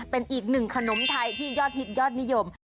เป็นอีกหนึ่งขนมไทยที่ยอดฮิตยอดนิยม